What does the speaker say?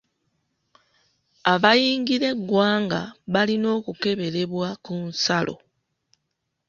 Abayingira eggwanga balina okukeberebwa ku nsalo.